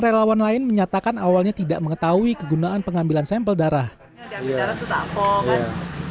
relawan lain menyatakan awalnya tidak mengetahui kegunaan pengambilan sampel darah diambil darah